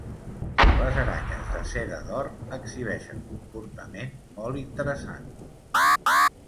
Les aranyes de seda d'or exhibeixen comportament molt interessant.